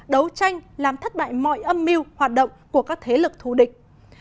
đấu tranh làm thất bại mọi âm mưu hoạt động của các thế lực thù địch